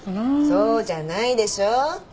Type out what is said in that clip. そうじゃないでしょう。